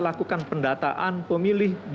lakukan pendataan pemilih